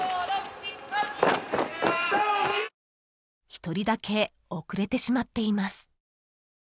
［１人だけ遅れてしまっています］